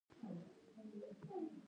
ما هغه ته د بدرنګه سړي انځور وښود.